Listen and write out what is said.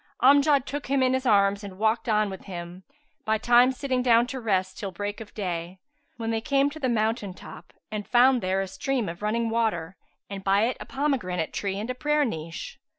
Amjad took him in his arms and walked on with him, bytimes sitting down to rest till break of day, when they came to the mountain top and found there a stream of running water and by it a pomegranate tree and a prayer niche.